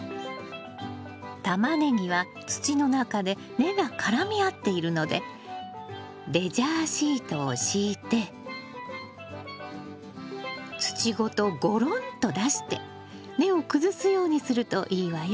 タマネギは土の中で根が絡み合っているのでレジャーシートを敷いて土ごとゴロンと出して根を崩すようにするといいわよ。